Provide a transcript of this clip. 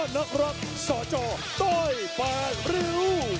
นักรักษอจอต่อยป่าริว